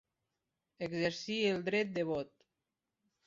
Exercir el dret de vot.